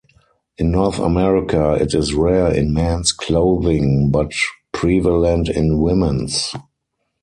In North America it is rare in men's clothing, but prevalent in women's.